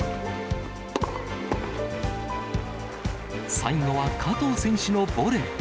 最後は加藤選手のボレー。